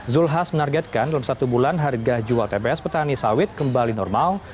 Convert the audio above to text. zulkifli hasan menargetkan dalam satu bulan harga jual tbs petani sawit kembali normal